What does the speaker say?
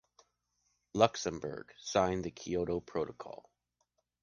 Luxemburg signed the Kyoto Protocol.